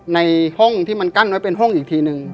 ในห้องที่มันกั้นไว้เป็นห้องอีกทีนึง